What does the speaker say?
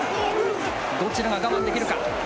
どちらが我慢できるか。